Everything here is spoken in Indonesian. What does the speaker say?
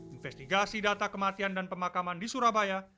investigasi data kematian dan pemakaman di surabaya